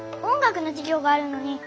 音楽の授業があるのに。